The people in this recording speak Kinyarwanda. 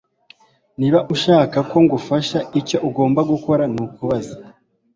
Niba ushaka ko ngufasha icyo ugomba gukora nukubaza